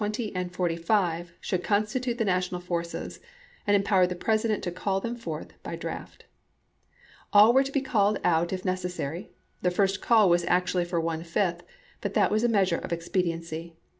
the ages of 20 and 45, should constitute the na tional forces, and empowered the President to call them forth by draft. All were to be called out if necessary ; the first call was actually for one fifth, but that was a measure of expediency.